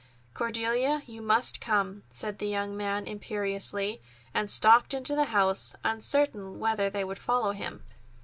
"Cordelia, you must come," said the young man imperiously, and stalked into the house, uncertain whether they would follow him.